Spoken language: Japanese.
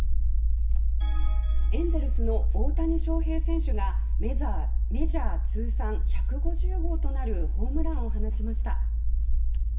エンゼルスの大谷翔平選手がメジャー通算１５０号となるホームランを放ちました。